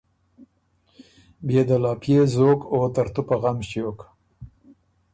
بيې دل ا پئے زوک او ترتُو په غم ݭیوک۔